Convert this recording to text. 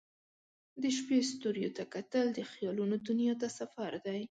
د شپې ستوریو ته کتل د خیالونو دنیا ته سفر دی.